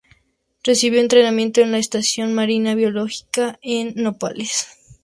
Recibió entrenamiento en la Estación Marina Biológica en Nápoles.